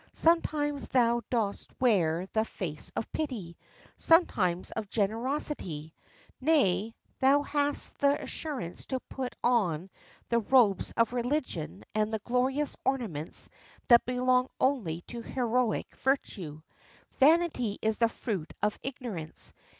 Sometimes thou dost wear the face of pity; sometimes of generosity; nay, thou hast the assurance to put on the robes of religion and the glorious ornaments that belong only to heroic virtue. Vanity is the fruit of ignorance.